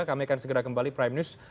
kami akan segera kembali prime news